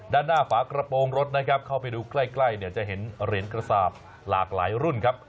ด้านหน้าฝากระโปรงรถนะครับเข้าไปดูใกล้เนี่ยจะเห็นเหรียญกระสาปหลากหลายรุ่นครับ